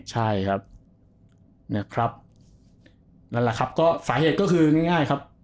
ใช่ครับนะครับนั่นแหละครับก็สาเหตุก็คือง่ายครับ